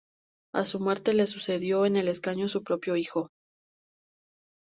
A su muerte le sucedió en el escaño su propio hijo.